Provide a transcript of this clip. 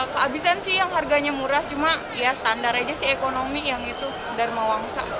kehabisan sih yang harganya murah cuma ya standar aja sih ekonomi yang itu dharma wangsa